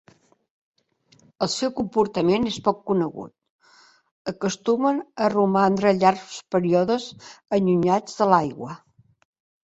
El seu comportament és poc conegut; acostumen a romandre llargs períodes allunyats de l'aigua.